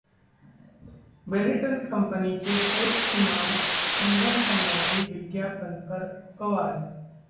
Benetton company के पोप-इमाम चुबंन संबंधी विज्ञापन पर बवाल